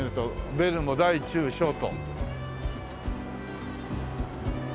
ベルも大・中・小と。